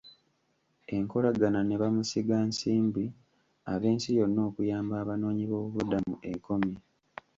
Enkolagana ne bamusiga nsimbi ab'ensi yonna okuyamba abanoonyi b'obubuddamu ekomye.